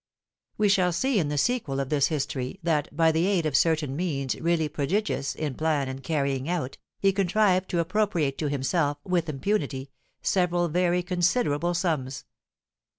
We shall see in the sequel of this history that, by the aid of certain means really prodigious in plan and carrying out, he contrived to appropriate to himself, with impunity, several very considerable sums.